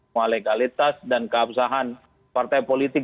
bahwa legalitas dan keabsahan partai politik